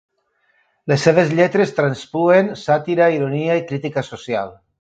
Les seves lletres traspuen sàtira, ironia i crítica social.